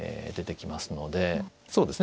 そうですね。